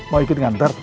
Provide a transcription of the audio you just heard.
mau ikut ngantar